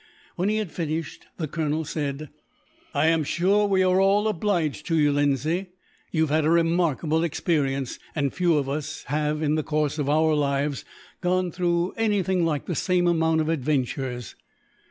When he had finished, the colonel said: "I am sure we are all obliged to you, Lindsay. You have had a remarkable experience; and few of us have, in the course of our lives, gone through anything like the same amount of adventures.